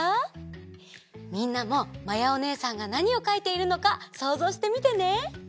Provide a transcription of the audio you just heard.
みんなもまやおねえさんがなにをかいているのかそうぞうしてみてね。